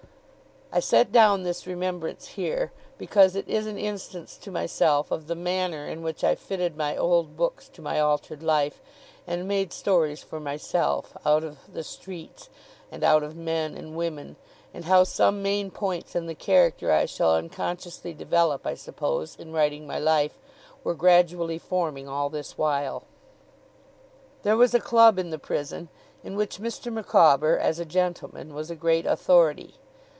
I set down this remembrance here, because it is an instance to myself of the manner in which I fitted my old books to my altered life, and made stories for myself, out of the streets, and out of men and women; and how some main points in the character I shall unconsciously develop, I suppose, in writing my life, were gradually forming all this while. There was a club in the prison, in which Mr. Micawber, as a gentleman, was a great authority.